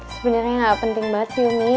sebenernya gak penting banget sih umi